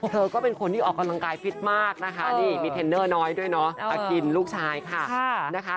ก็เป็นคนที่ออกกำลังกายฟิตมากนะคะนี่มีเทรนเนอร์น้อยด้วยเนาะอากินลูกชายค่ะนะคะ